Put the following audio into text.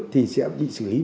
thì sẽ bị xử lý bất kỳ